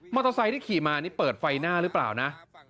เตอร์ไซค์ที่ขี่มานี่เปิดไฟหน้าหรือเปล่านะ